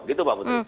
gitu pak putri